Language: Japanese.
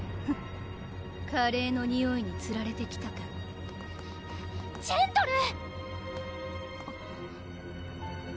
フッカレーのにおいにつられて来たかジェントルー！